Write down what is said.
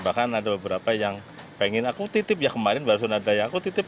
bahkan ada beberapa yang pengen aku titip ya kemarin barusan ada yang aku titip